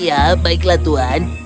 ya ya baiklah tuan